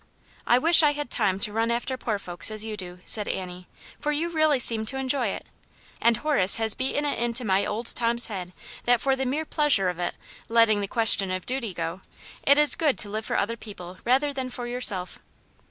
*' I wish I had time to run after poor folks as you do," said Annie, " for you really seem to enjoy it. And Horace has beaten it into my old Tom's head that for the mere pleasure of it, letting the question of duty go, it is good to live for other people rather than for yourself."